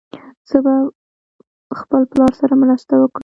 زه به خپل پلار سره مرسته وکړم.